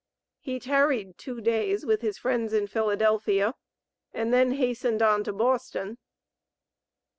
He tarried two days with his friends in Philadelphia, and then hastened on to Boston.